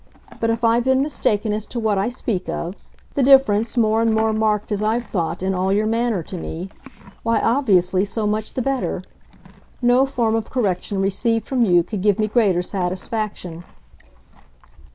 But if I've been mistaken as to what I speak of the difference, more and more marked, as I've thought, in all your manner to me why, obviously, so much the better. No form of correction received from you could give me greater satisfaction."